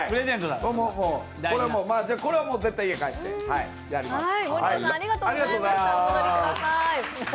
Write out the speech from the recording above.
これは絶対家に帰ってやります。